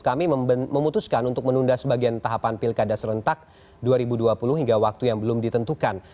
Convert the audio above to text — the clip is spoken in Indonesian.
kami memutuskan untuk menunda sebagian tahapan pilkada serentak dua ribu dua puluh hingga waktu yang belum ditentukan